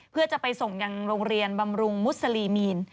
เพื่อจะไปส่งยังโรงเรียนบำรุงมุสลีมีน